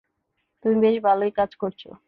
তুমি বেশ ভালোই কাজ করছ।